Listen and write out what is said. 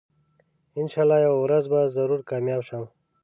انشاالله یوه ورځ به ضرور کامیاب شم